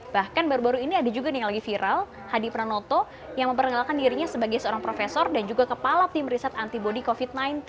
bahkan baru baru ini ada juga nih yang lagi viral hadi pranoto yang memperkenalkan dirinya sebagai seorang profesor dan juga kepala tim riset antibody covid sembilan belas